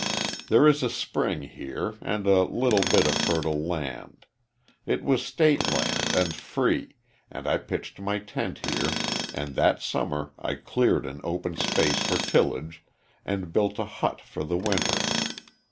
There is a spring here and a bit of fertile land. It was State land and free, and I pitched my tent here, and that summer I cleared an open space for tillage and built a hut for the winter.